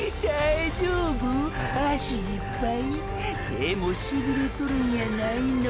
手もしびれとるんやないの？